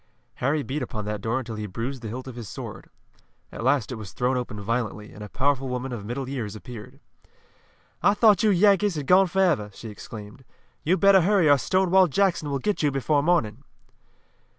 Harry beat upon that door until he bruised the hilt of his sword. At last it was thrown open violently, and a powerful woman of middle years appeared. "I thought you Yankees had gone forever!" she exclaimed. "You'd better hurry or Stonewall Jackson will get you before morning!"